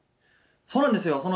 そうなんですよ。